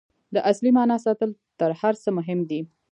د اصلي معنا ساتل تر هر څه مهم دي.